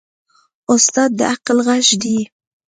استاد د عقل غږ دی.